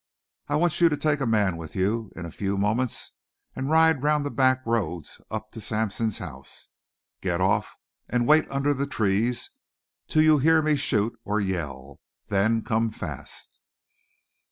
"I want you to take a man with you, in a few moments, and ride round the back roads and up to Sampson's house. Get off and wait under the trees till you hear me shoot or yell, then come fast."